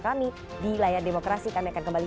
kami di layar demokrasi kami akan kembali